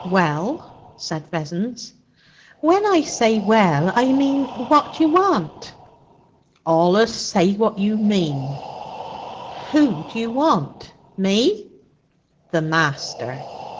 'Well?' said Vessons. 'When I say "well," I mean what d'you want?' 'Allus say what you mean.' 'Who d'you want? Me?' 'The master.'